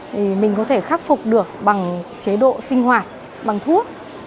thì mình có thể khắc phục được bằng chế độ sinh hoạt bằng thuốc